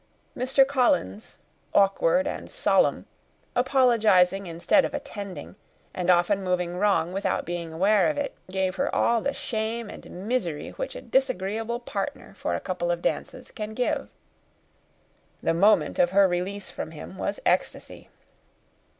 Mr. Collins, awkward and solemn, apologizing instead of attending, and often moving wrong without being aware of it, gave her all the shame and misery which a disagreeable partner for a couple of dances can give. The moment of her release from him was ecstasy.